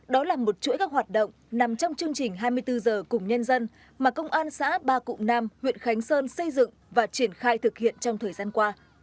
đó là một chuỗi các hoạt động nằm trong chương trình hai mươi bốn h cùng nhân dân mà công an xã ba cụm nam huyện khánh sơn xây dựng và triển khai thực hiện trong thời gian qua